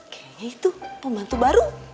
kayaknya itu pembantu baru